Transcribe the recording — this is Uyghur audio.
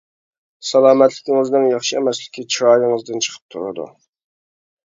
سالامەتلىكىڭىزنىڭ ياخشى ئەمەسلىكى چىرايىڭىزدىن چىقىپ تۇرىدۇ.